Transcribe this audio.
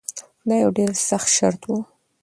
دا یو ډیر سخت شرط و.